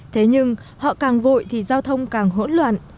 thế nhưng họ càng vội thì giao thông càng hỗn loạn